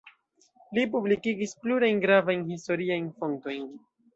Li publikigis plurajn gravajn historiajn fontojn.